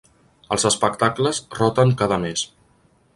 Els espectacles roten cada mes.